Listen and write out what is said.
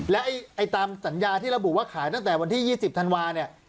และตามสัญญาที่ระบุว่าขายตั้งแต่วันที่๒๐ธันวาเนี่ย